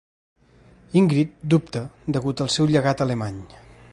Ingrid dubta degut al seu llegat alemany.